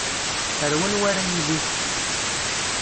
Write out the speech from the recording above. Ar wanwa ara yili?